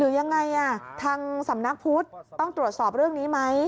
ยังไงทางสำนักพุทธต้องตรวจสอบเรื่องนี้ไหม